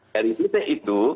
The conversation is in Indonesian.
nah dari situ